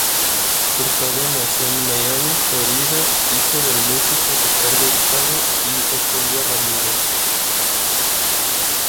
Hurtado nació en Miami, Florida, hijo del músico Ricardo Hurtado y Ofelia Ramirez.